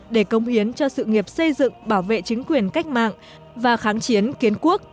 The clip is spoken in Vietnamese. để công hiến cho sự nghiệp xây dựng bảo vệ chính quyền cách mạng và kháng chiến kiến quốc